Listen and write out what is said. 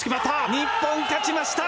日本、勝ちました。